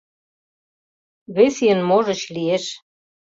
— Вес ийын, можыч, лиеш.